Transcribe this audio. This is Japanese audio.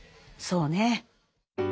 そうね。